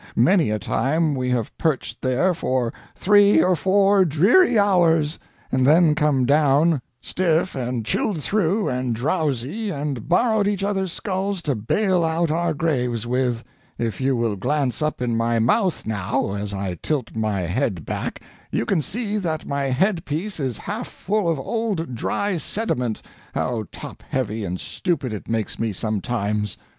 Many a time we have perched there for three or four dreary hours, and then come down, stiff and chilled through and drowsy, and borrowed each other's skulls to bail out our graves with if you will glance up in my mouth now as I tilt my head back, you can see that my head piece is half full of old dry sediment how top heavy and stupid it makes me sometimes!